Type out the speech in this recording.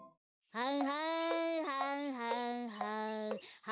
はんはんはんはんはんはん